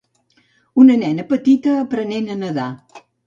Una nena petita aprenent a nedar.